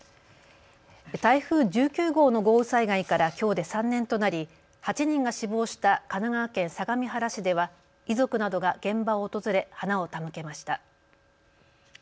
台風１９号の豪雨災害からきょうで３年となり８人が死亡した神奈川県相模原市では遺族などが現場を訪れ花を手向けました。